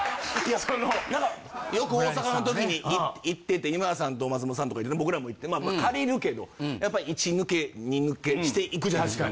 よく大阪の時に行ってて今田さんと松本さんとか行って僕らも行って借りるけどやっぱ１抜け２抜けしていくじゃないですか。